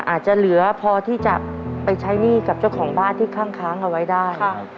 อาจจะเหลือพอที่จะไปใช้หนี้กับเจ้าของบ้านที่คั่งค้างเอาไว้ได้